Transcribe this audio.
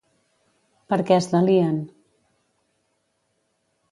Per què es delien?